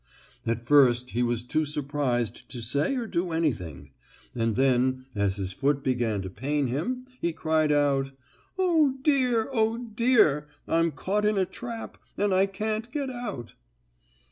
At first he was too surprised to say or do anything, and then, as his foot began to pain him, he cried out: "Oh, dear! Oh, dear! I'm caught in a trap, and I can't get out!"